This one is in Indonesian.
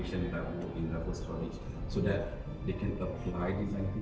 kadang kadang katanya dia karena bersepak di raffles college tapi dia mempunyai penulisan yang pujian